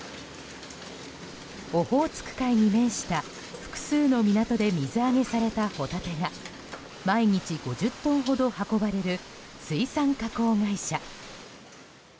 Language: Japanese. オホーツク海に面した複数の港で水揚げされたホタテが毎日５０トンほど運ばれる水産加工会社。